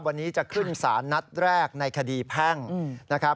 วันนี้จะขึ้นสารนัดแรกในคดีแพ่งนะครับ